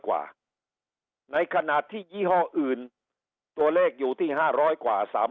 กว่าในขณะที่ยี่ห้ออื่นตัวเลขอยู่ที่๕๐๐กว่า๓๐